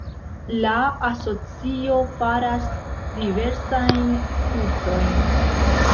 La asocio faras diversajn kursojn.